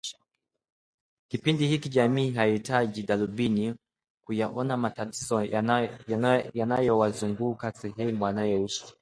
Kipindi hiki jamii haihitaji darubini kuyaona matatizo yanayowazunguka sehemu wanayoishi